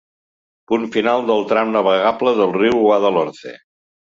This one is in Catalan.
Punt final del tram navegable del riu Guadalhorce.